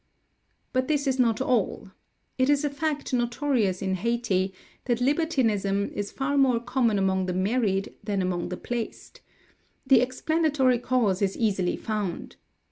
"But this is not all. It is a fact notorious in Hayti, that libertinism is far more common among the married than among the placed. The explanatory cause is easily found.